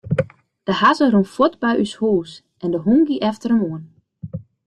De hazze rûn fuort by ús hús en de hûn gie efter him oan.